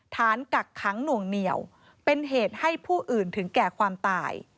กักขังหน่วงเหนียวเป็นเหตุให้ผู้อื่นถึงแก่ความตาย